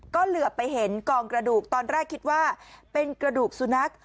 ก็เหลือไปเห็นกองกระดูกตอนแรกคิดว่าเป็นกระดูกสุนัข